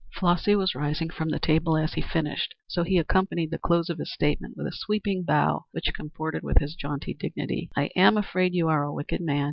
Flossy was rising from table as he finished, so he accompanied the close of his statement with a sweeping bow which comported with his jaunty dignity. "I am afraid you are a wicked man.